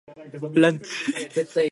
ランチ